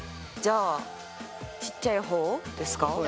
じゃあちっちゃい方ですか。